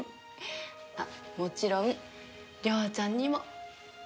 あっもちろん亮ちゃんにも。